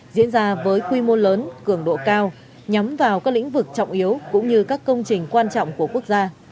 diễn ra với quy mô lớn cường độ cao nhắm vào các lĩnh vực trọng yếu cũng như các công trình quan trọng của quốc gia